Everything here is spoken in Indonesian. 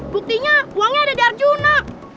buktinya uangnya ada di arjuna